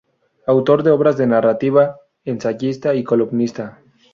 Autor de obras de narrativa, ensayista y columnista.